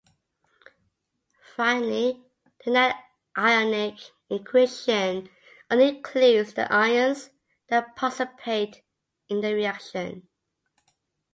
Finally, the net ionic equation only includes the ions that participate in the reaction.